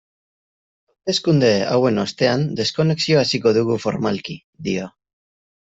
Hauteskunde hauen ostean deskonexioa hasiko dugu formalki, dio.